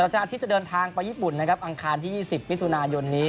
ชนะทิพย์จะเดินทางไปญี่ปุ่นนะครับอังคารที่๒๐มิถุนายนนี้